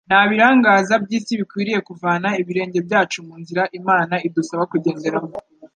Nta birangaza by’isi bikwiriye kuvana ibirenge byacu mu nzira Imana idusaba kugenderamo.